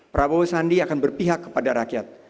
prabowo sandi akan berpihak kepada rakyat